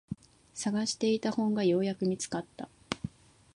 探していた本がようやく見つかった。